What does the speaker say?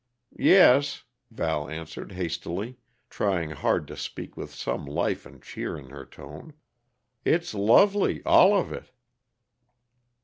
"Yes," Val answered hastily, trying hard to speak with some life and cheer in her tone. "It's lovely all of it."